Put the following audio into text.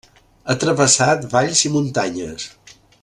Ha travessat valls i muntanyes.